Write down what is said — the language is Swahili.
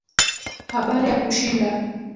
Habari ya kushinda